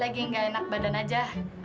lagi enggak enak badan saja